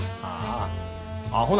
ああ。